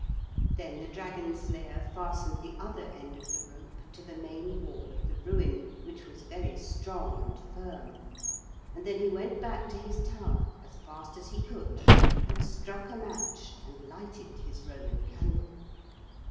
Then the dragon slayer fastened the other end of the rope to the main wall of the ruin which was very strong and firm, and then he went back to his tower as fast as he could and struck a match and lighted his Roman candle.